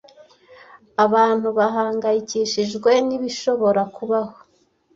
Abantu bahangayikishijwe nibishobora kubaho.